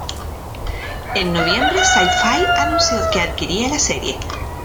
En noviembre, Syfy anunció que adquiría la serie.